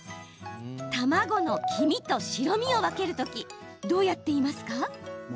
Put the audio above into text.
卵の黄身と白身を分けるときどうやっていますか？